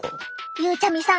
ゆうちゃみさん